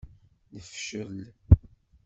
Nefcel.